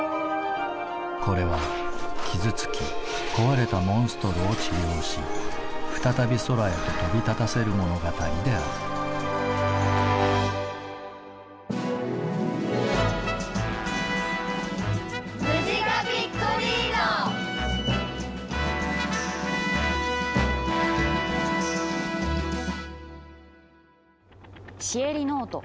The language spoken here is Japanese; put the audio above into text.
これは傷つき壊れたモンストロを治療し再び空へと飛び立たせる物語である「シエリノート。